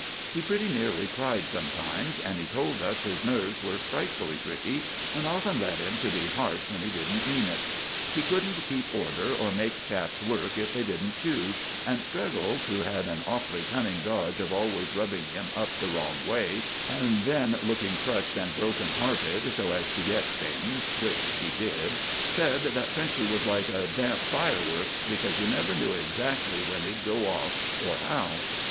He pretty nearly cried sometimes, and he told us his nerves were frightfully tricky, and often led him to be harsh when he didn't mean it. He couldn't keep order or make chaps work if they didn't choose; and Steggles, who had an awfully cunning dodge of always rubbing him up the wrong way, and then looking crushed and broken hearted so as to get things, which he did, said that Frenchy was like damp fireworks, because you never knew exactly when he'd go off or how.